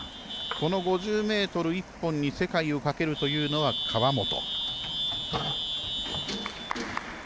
この５０ｍ１本に世界をかけるというのは川本。